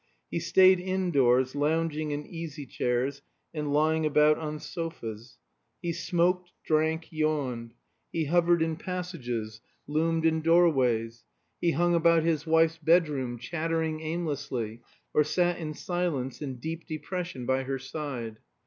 He stayed indoors, lounging in easy chairs, and lying about on sofas; he smoked, drank, yawned; he hovered in passages, loomed in doorways; he hung about his wife's bedroom, chattering aimlessly, or sat in silence and deep depression by her side.